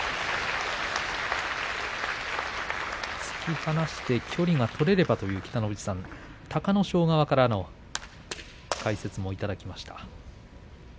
突き放して距離が取れればという北の富士さんの話、隆の勝側からの解説をいただきました。